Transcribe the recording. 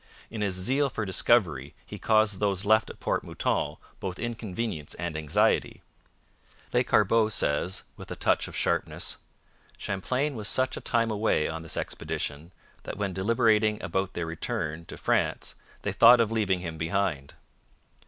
In his zeal for discovery he caused those left at Port Mouton both inconvenience and anxiety. Lescarbot says, with a touch of sharpness: 'Champlain was such a time away on this expedition that when deliberating about their return [to France] they thought of leaving him behind.'